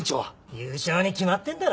優勝に決まってんだろ！